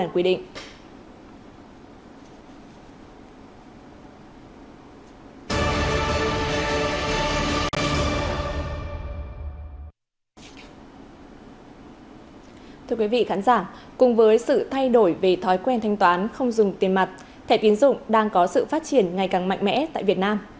quý vị khán giả cùng với sự thay đổi về thói quen thanh toán không dùng tiền mặt thẻ tiến dụng đang có sự phát triển ngày càng mạnh mẽ tại việt nam